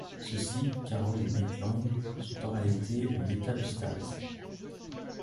Ceux-ci, Carol et Maitland, sont en réalité en état de stase.